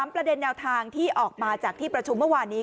ประเด็นแนวทางที่ออกมาจากที่ประชุมเมื่อวานนี้